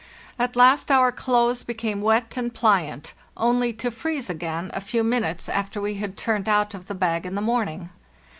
At last our clothes became wet and pliant, only to freeze again a few minutes after we had turned out of the bag in the morning.